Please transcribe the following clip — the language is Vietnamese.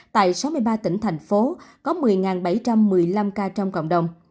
tại sáu mươi ba tỉnh thành phố có một mươi bảy trăm một mươi năm ca trong cộng đồng